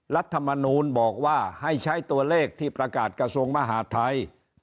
รัฐมนูลบอกว่าให้ใช้ตัวเลขที่ประกาศกระทรวงมหาดไทย